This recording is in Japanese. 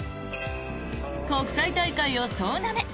国際大会を総なめ！